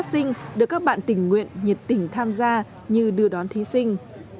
phát sinh được các bạn tình nguyện nhiệt tình tham gia như đưa đón thí sinh